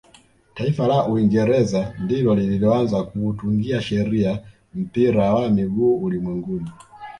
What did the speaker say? taifa la uingereza ndilo lililoanza kuutungia sheria mpira wa miguu ulimwenguni